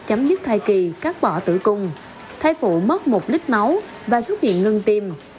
chấm dứt thai kỳ cắt bỏ tử cung thai phụ mất một lít máu và xuất hiện ngân tim